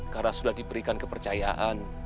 karena sudah diberikan kepercayaan